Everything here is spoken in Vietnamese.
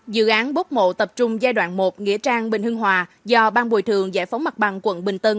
dự án bốc mộ tập trung giai đoạn một nghĩa trang bình hưng hòa do ban bồi thường giải phóng mặt bằng quận bình tân